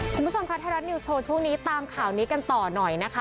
คุณผู้ชมค่ะไทยรัฐนิวโชว์ช่วงนี้ตามข่าวนี้กันต่อหน่อยนะคะ